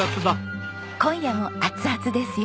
今夜も熱々ですよ。